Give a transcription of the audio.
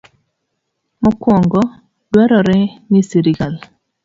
Mokwongo, dwarore ni sirkal